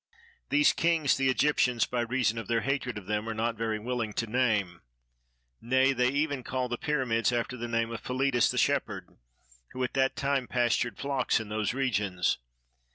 These kings the Egyptians by reason of their hatred of them are not very willing to name; nay, they even call the pyramids after the name of Philitis the shepherd, who at that time pastured flocks in those regions.